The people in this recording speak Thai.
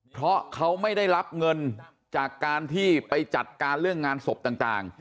เพราะเขาไม่ได้รับเงินจากการที่ไปจัดการเรื่องงานศพต่าง